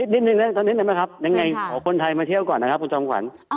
นิดนะครับยังไงขอคนไทยมาเที่ยวก่อนนะครับคุณจงขวัญ